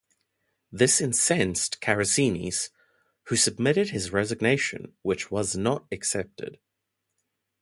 This incensed Karayiannis who submitted his resignation, which was not accepted.